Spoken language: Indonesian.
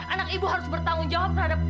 anak ibu harus bertanggung jawab terhadap